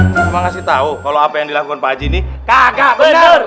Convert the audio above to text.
gua kasih tau kalo apa yang dilakukan pak haji ini kagak bener